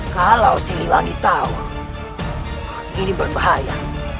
kalau si liwangi tahu ini berbahaya